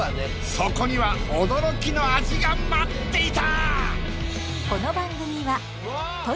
そこには驚きの味が待っていた！